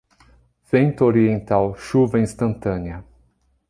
Vento oriental, chuva instantânea.